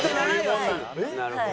なるほど。